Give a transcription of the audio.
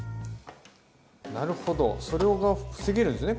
なるほどそれが防げるんですね。